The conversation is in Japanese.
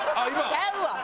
ちゃうわ。